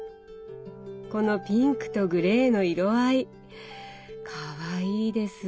このピンクとグレーの色合いかわいいです。